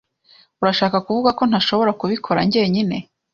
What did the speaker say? Urashaka kuvuga ko ntashobora kubikora njyenyine?